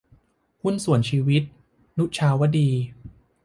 หุ้นส่วนชีวิต - นุชาวดี